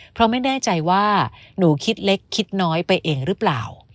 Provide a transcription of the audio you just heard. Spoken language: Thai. เพราะไม่แน่ใจว่าหนูคิดเล็กคิดน้อยไปเองหรือเปล่า